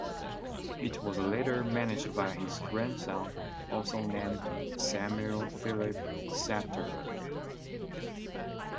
It was later managed by his grandson, also named Samuel Philip Sadtler.